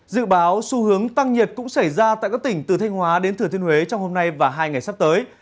dự báo xu hướng tăng nhiệt cũng xảy ra tại các tỉnh từ thanh hóa đến thừa thiên huế trong hôm nay và hai ngày sắp tới